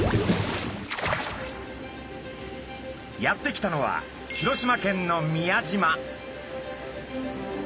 やって来たのは広島県の宮島。